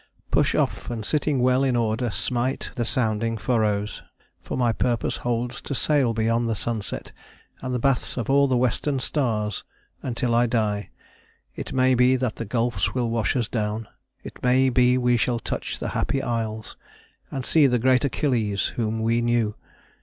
Push off, and sitting well in order smite The sounding furrows; for my purpose holds To sail beyond the sunset, and the baths Of all the western stars, until I die. It may be that the gulfs will wash us down: It may be we shall touch the Happy Isles, And see the great Achilles, whom we knew.